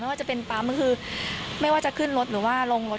ไม่ว่าจะเป็นปั๊มไม่ว่าจะขึ้นรถหรือลงรถ